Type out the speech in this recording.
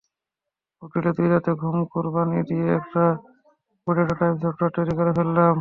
হোটেলে দুই রাতের ঘুম কোরবানি দিয়ে একটা প্রোটোটাইপ সফটওয়্যার তৈরি করে ফেললাম।